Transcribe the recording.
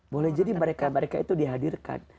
boleh jadi mereka mereka itu dihadirkan